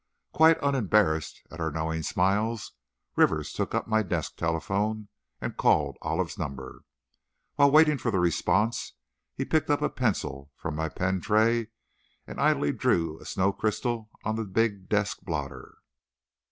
Quite unembarrassed at our knowing smiles, Rivers took up my desk telephone and called Olive's number. While waiting for the response he picked up a pencil from my pen tray, and idly drew a snow crystal on the big desk blotter.